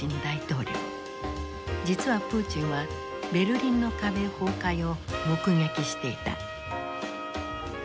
実はプーチンはベルリンの壁崩壊を目撃していた。